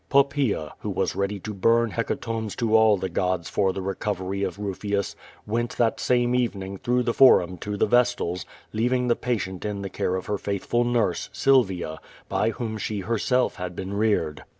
Popi>Qea, who was ready to burn hecatombs to all the gods for the recovery of llufius, went that same evening through the Forum to the Vestals, leaving the patient in the care of her faithful nurse, Silvia, by whom she herself had been reared.